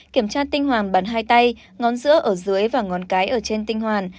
kiểm tra tinh hoàn bàn hai tay ngón giữa ở dưới và ngón cái ở trên tinh hoàn